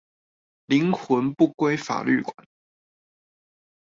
靈魂不歸法律管